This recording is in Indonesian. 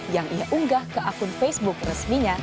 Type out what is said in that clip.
yang ia unggah ke akun facebook resminya